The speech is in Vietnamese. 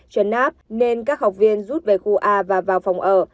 trấn áp nên các học viên rút về khu a và vào phòng ở